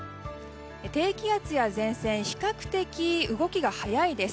低気圧や前線比較的動きが速いです。